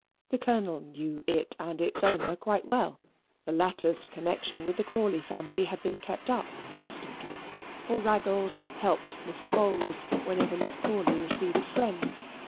The Colonel knew it and its owner quite well; the latter's connection with the Crawley family had been kept up constantly, for Raggles helped Mr. Bowls whenever Miss Crawley received friends.